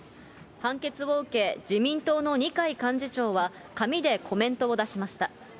判決を受け、自民党の二階幹事長は、紙でコメントを出しました。